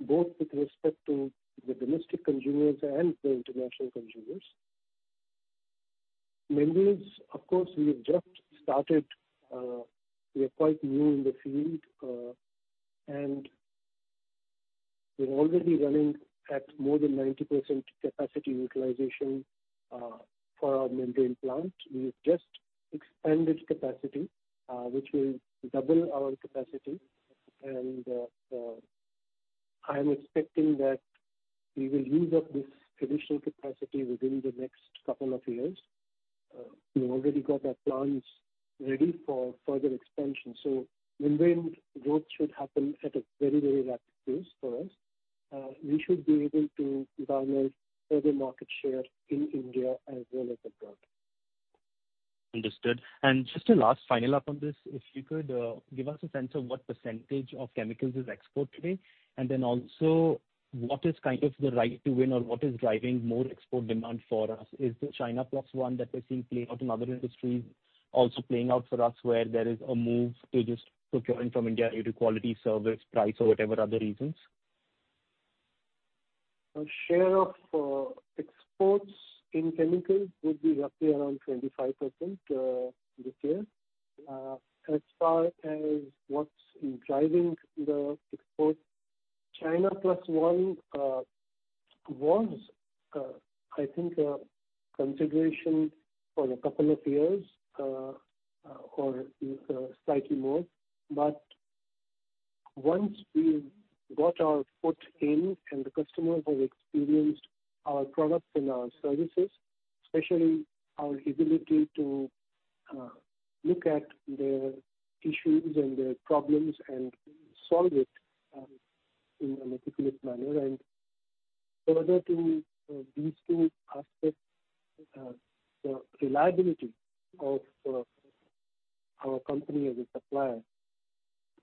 both with respect to the domestic consumers and the international consumers. Membranes, of course, we have just started. We are quite new in the field, and we're already running at more than 90% capacity utilization for our membrane plant. We have just expanded capacity, which will double our capacity, and I'm expecting that we will use up this additional capacity within the next couple of years. We've already got our plants ready for further expansion. Membrane growth should happen at a very, very rapid pace for us. We should be able to garner further market share in India as well as abroad. Understood. Just a last final up on this, if you could give us a sense of what % of chemicals is export today, and then also what is the right to win or what is driving more export demand for us? Is the China Plus One that we're seeing play out in other industries also playing out for us, where there is a move to just procuring from India due to quality, service, price, or whatever other reasons? Our share of exports in chemicals would be roughly around 25% this year. As far as what's driving the export, China Plus One was, I think, a consideration for a couple of years or even slightly more. Once we got our foot in and the customers have experienced our products and our services, especially our ability to look at their issues and their problems and solve it in a meticulous manner, and further to these two aspects, the reliability of our company as a supplier.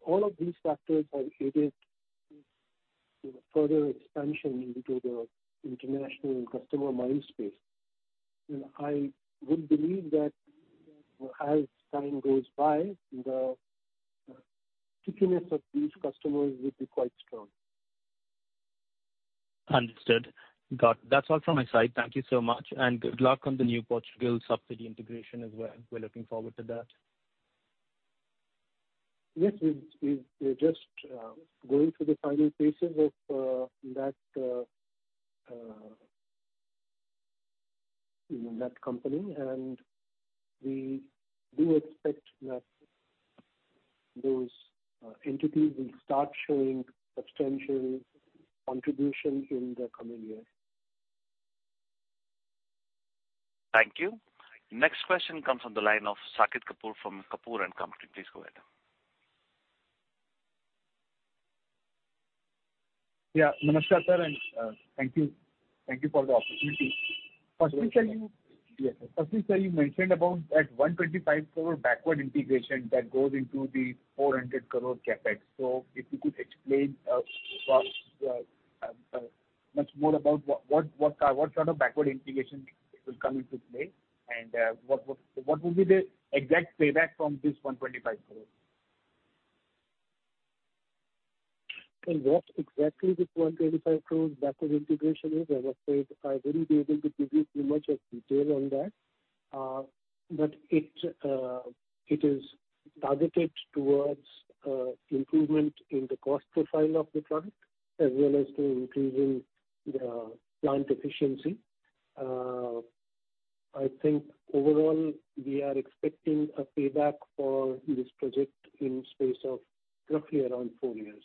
All of these factors have aided in further expansion into the international customer mind space. I would believe that as time goes by, the stickiness of these customers would be quite strong. Understood. Got it. That's all from my side. Thank you so much, and good luck on the new Portugal subsidiary integration as well. We're looking forward to that. Yes. We're just going through the final phases of that company, and we do expect that those entities will start showing substantial contribution in the coming year. Thank you. Next question comes from the line of Saket Kapoor from Kapoor and Company. Please go ahead. Namaskar, sir, and thank you. Thank you for the opportunity. Hello. Yes, sir. Firstly, sir, you mentioned about that 125 crore backward integration that goes into the 400 crore CapEx. If you could explain much more about what sort of backward integration will come into play and what will be the exact payback from this 125 crore? What exactly the 125 crore backward integration is, as I said, I wouldn't be able to give you too much of detail on that. It is targeted towards improvement in the cost profile of the product as well as to improving the plant efficiency. I think overall, we are expecting a payback for this project in space of roughly around four years.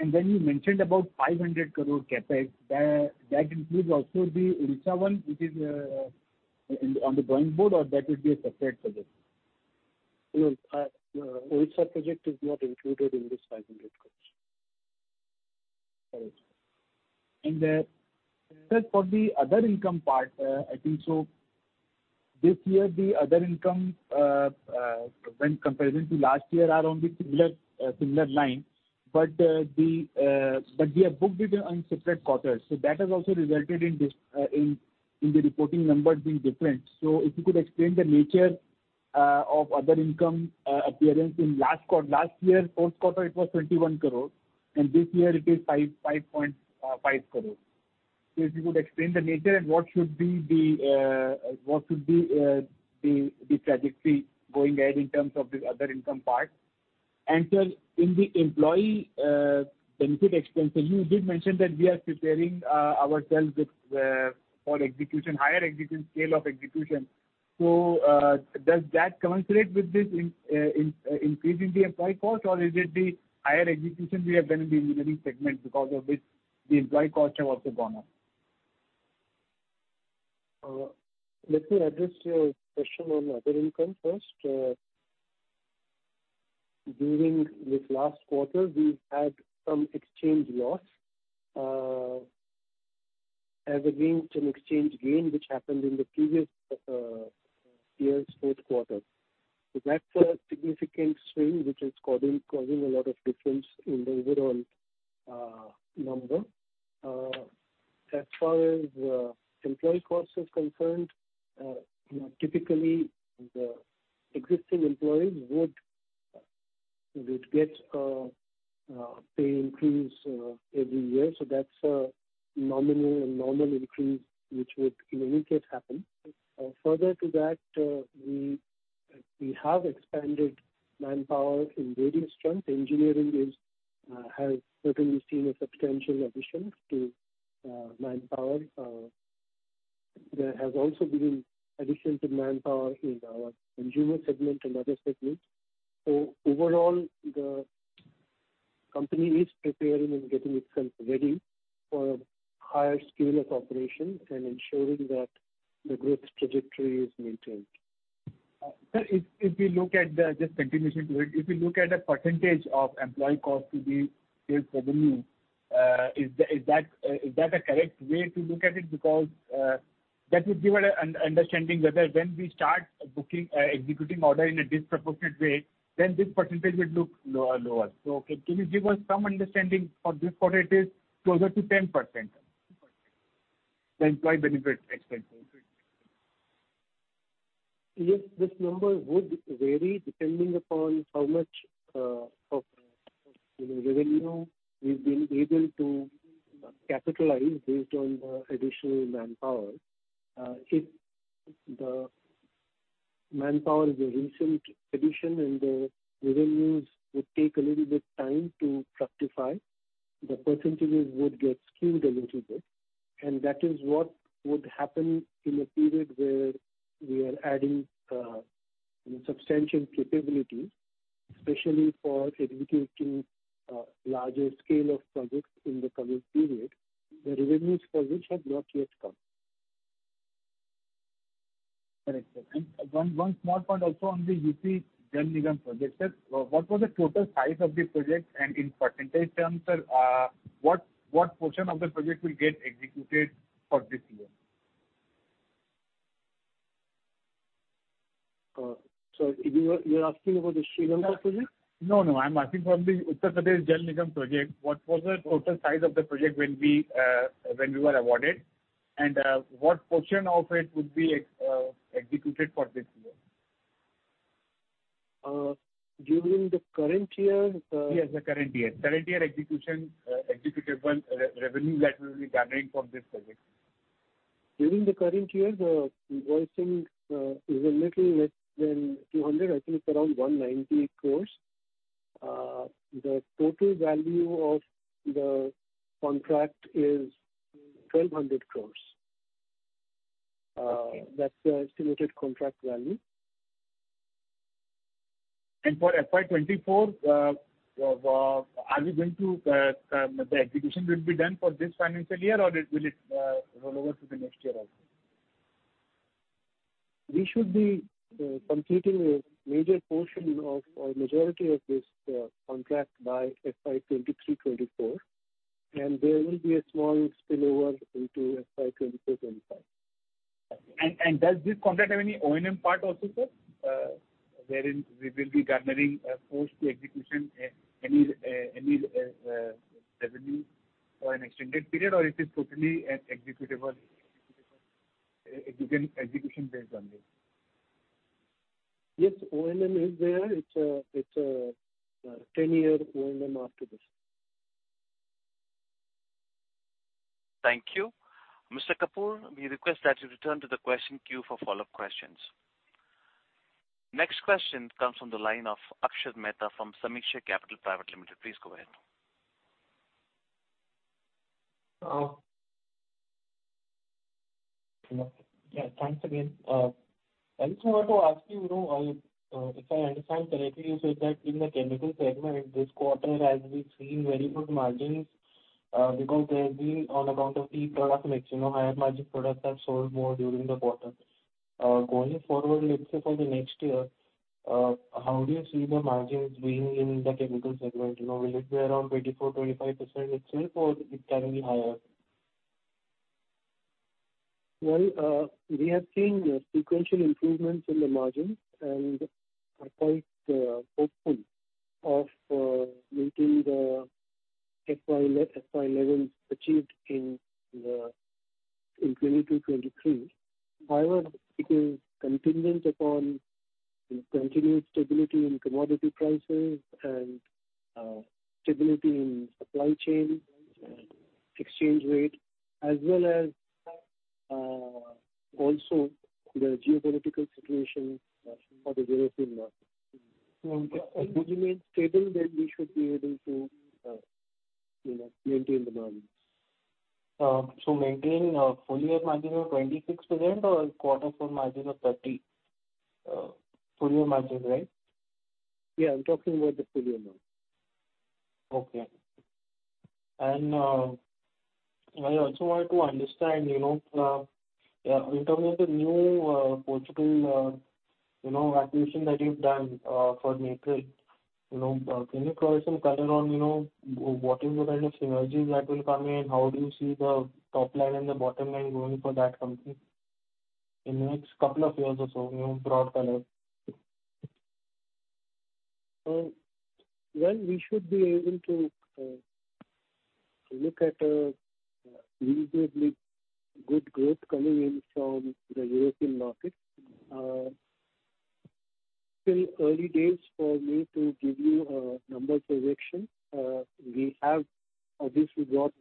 When you mentioned about 500 crore CapEx, that includes also the Odisha one which is on the drawing board, or that would be a separate project? No. Odisha project is not included in this 500 crore. All right. Sir, for the other income part, I think so this year the other income when comparison to last year are on the similar line. We have booked it on separate quarters. That has also resulted in the reporting numbers being different. If you could explain the nature of other income appearance in last year, fourth quarter, it was 21 crore, and this year it is 5.5 crore. If you could explain the nature and what should be the trajectory going ahead in terms of this other income part. Sir, in the employee benefit expense, you did mention that we are preparing ourselves for higher execution scale of execution. Does that commensurate with this increase in the employee cost, or is it the higher execution we have done in the engineering segment because of which the employee costs have also gone up? Let me address your question on other income first. During this last quarter, we had some exchange loss as against an exchange gain which happened in the previous year's fourth quarter. That's a significant swing which is causing a lot of difference in the overall number. As far as employee cost is concerned, typically the existing employees would get a pay increase every year. That's a nominal and normal increase, which would in any case happen. Further to that, we have expanded manpower in various fronts. Engineering has certainly seen a substantial addition to manpower. There has also been addition to manpower in our consumer segment and other segments. Overall, the company is preparing and getting itself ready for a higher scale of operations and ensuring that the growth trajectory is maintained. Sir, just continuation to it. If we look at the percentage of employee cost to the sales revenue, is that a correct way to look at it? That would give an understanding whether when we start executing order in a disproportionate way, then this percentage would look lower. Can you give us some understanding for this quarter? It is closer to 10%, the employee benefit expense. Yes, this number would vary depending upon how much of revenue we've been able to capitalize based on the additional manpower. If the manpower is a recent addition and the revenues would take a little bit time to fructify, the percentages would get skewed a little bit, and that is what would happen in a period where we are adding substantial capabilities, especially for executing larger scale of projects in the current period, the revenues for which have not yet come. Correct, sir. One small point also on the UP Jal Nigam project, sir. What was the total size of the project? In percentage terms, sir, what portion of the project will get executed for this year? Sir, you're asking about the Sri Lanka project? No, no, I'm asking from the Uttar Pradesh Jal Nigam project. What was the total size of the project when we were awarded, and what portion of it would be executed for this year? During the current year- Yes, the current year. Current year execution, executable revenue that we'll be garnering from this project. During the current year, the invoicing is a little less than 200. I think it's around 190 crores. The total value of the contract is 1,200 crores. That's the estimated contract value. For FY 2024, the execution will be done for this financial year, or will it roll over to the next year also? We should be completing a major portion of, or majority of this contract by FY 2023, 2024, and there will be a small spillover into FY 2024, 2025. Does this contract have any O&M part also, sir, wherein we will be garnering post the execution any revenue for an extended period, or it is totally execution based only? Yes, O&M is there. It's a 10-year O&M after this. Thank you. Mr. Kapoor, we request that you return to the question queue for follow-up questions. Next question comes from the line of Akshat Mehta from Samiksha Capital Private Limited. Please go ahead. Yeah, thanks again. I also want to ask you, if I understand correctly, you said that in the chemical segment this quarter has been seeing very good margins because there has been on account of few product mix, higher margin products have sold more during the quarter. Going forward, let's say for the next year, how do you see the margins being in the chemical segment? Will it be around 24%, 25% itself, or it can be higher? Well, we have seen sequential improvements in the margins, and are quite hopeful of maintaining the FY levels achieved in 2022, 2023. However, it is contingent upon the continued stability in commodity prices and stability in supply chain and exchange rate, as well as also the geopolitical situation for the European market. Okay. If those remain stable, we should be able to maintain the margins. Maintain a full year margin of 26% or quarter full margin of 30%? Full year margin, right? Yeah, I'm talking about the full year margin. Okay. I also want to understand in terms of the new Portugal acquisition that you've done for MAPRIL. Can you throw some color on what is the kind of synergies that will come in? How do you see the top line and the bottom line going for that company in the next couple of years or so? Broad color. Well, we look at a reasonably good growth coming in from the European market. Still early days for me to give you a number projection. We have obviously got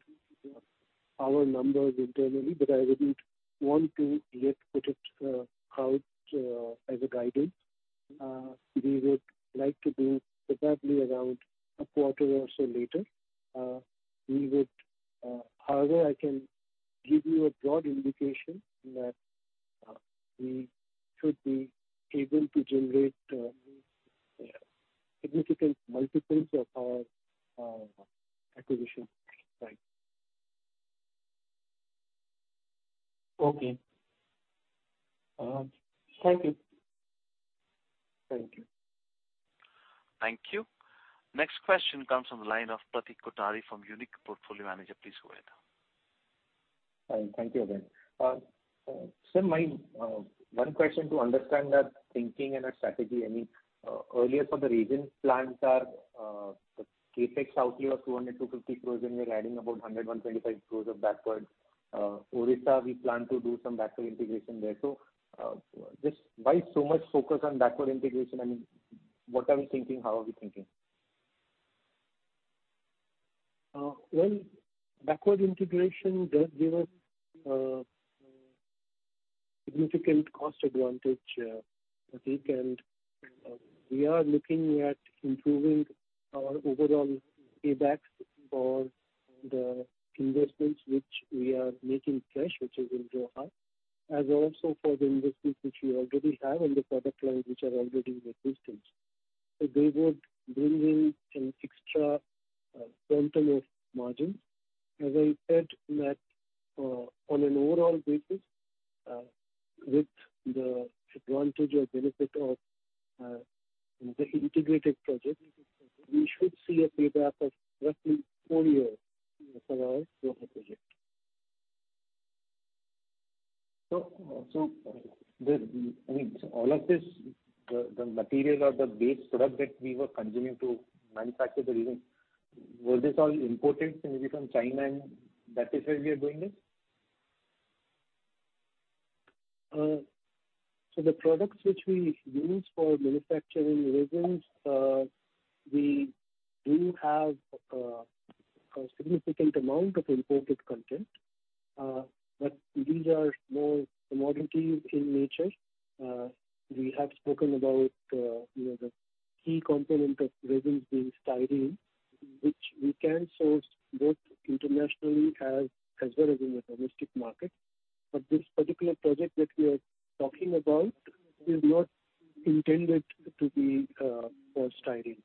our numbers internally, but I wouldn't want to yet put it out as a guidance. We would like to do probably around a quarter or so later. However, I can give you a broad indication that we should be able to generate significant multiples of our acquisition price. Okay. Thank you. Thank you. Thank you. Next question comes from the line of Pratik Kothari from Unique Portfolio Managers. Please go ahead. Thank you again. Sir, my one question to understand that thinking and a strategy, earlier for the region plans are, the CapEx outlay of 200 crore-250 crore and we're adding about 100 crore, 125 crore of backward. Odisha, we plan to do some backward integration there. Just why so much focus on backward integration? What are we thinking? How are we thinking? Well, backward integration does give us a significant cost advantage, Pratik, and we are looking at improving our overall EBITDA for the investments which we are making fresh, which is in Roha, as also for the investments which we already have and the product lines which are already in existence. They would bring in an extra point of margin. As I said that on an overall basis with the advantage or benefit of the integrated project, we should see a payback of roughly four years for our Roha project. All of this, the material or the base product that we were continuing to manufacture the resin, was this all imported maybe from China and that is why we are doing this? The products which we use for manufacturing resins, we do have a significant amount of imported content. These are more commodities in nature. We have spoken about the key component of resins being styrene, which we can source both internationally as well as in the domestic market. This particular project that we are talking about is not intended to be for styrene.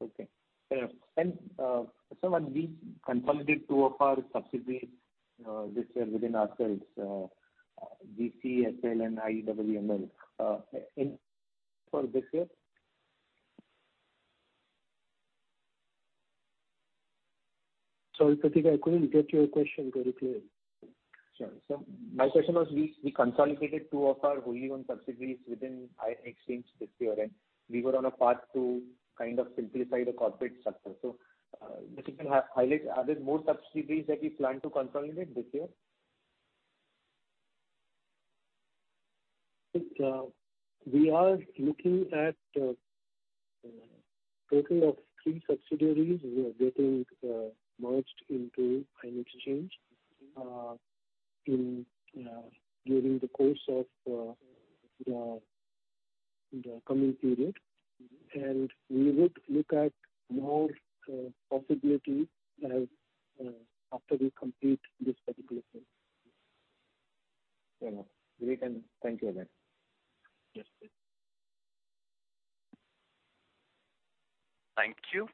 Okay. Fair enough. Sir, when we consolidated two of our subsidiaries this year within Ascend, GC, SL, and IEWML for this year? Sorry, Pratik, I couldn't get your question very clear. Sure. My question was we consolidated two of our wholly owned subsidiaries within Ion Exchange this year. We were on a path to kind of simplify the corporate structure. If you can highlight, are there more subsidiaries that we plan to consolidate this year? Look, we are looking at a total of three subsidiaries we are getting merged into Ion Exchange during the course of the coming period. We would look at more possibilities after we complete this particular phase. Fair enough. Great. Thank you again. Yes, please. Thank you.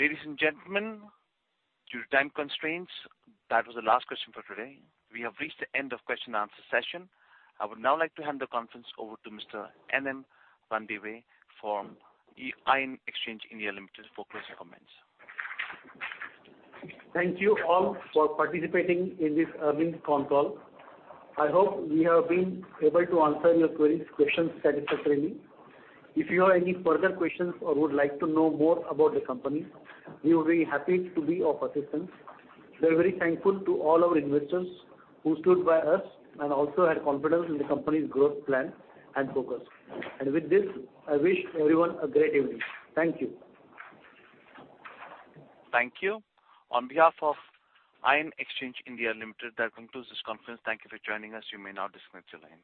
Ladies and gentlemen, due to time constraints, that was the last question for today. We have reached the end of question and answer session. I would now like to hand the conference over to Mr. N.M. Ranadive from Ion Exchange India Limited for closing comments. Thank you all for participating in this earnings conf call. I hope we have been able to answer your queries, questions satisfactorily. If you have any further questions or would like to know more about the company, we will be happy to be of assistance. We are very thankful to all our investors who stood by us and also had confidence in the company's growth plan and focus. With this, I wish everyone a great evening. Thank you. Thank you. On behalf of Ion Exchange India Limited, that concludes this conference. Thank you for joining us. You may now disconnect your lines.